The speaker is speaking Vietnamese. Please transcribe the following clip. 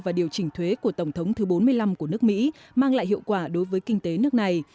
và điều chỉnh thuế của tổng thống thứ bốn mươi năm của nước mỹ mang lại hiệu quả đối với kinh tế nước này